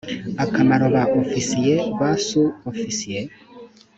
akamaro ba ofisiye ba su ofisiye